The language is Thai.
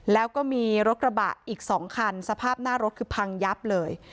แล้วก็มีรถกระบะอีก๒คันสภาพหน้ารถคือพังยับเลย